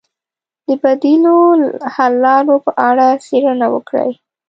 د بدیلو حل لارو په اړه څېړنه وکړئ.